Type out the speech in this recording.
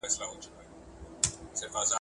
غلطۍ کي مي د خپل حسن بازار مات کړئ دئ